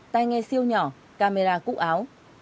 tai nghe siêu nhỏ camera cúc áo